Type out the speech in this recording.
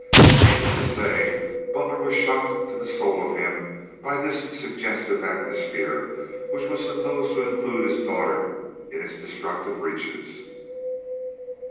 Needless to say, Butler was shocked to the soul of him by this suggestive atmosphere which was supposed to include his daughter in its destructive reaches.